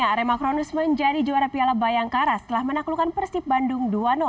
arema kronus menjadi juara piala bayangkara setelah menaklukkan persib bandung dua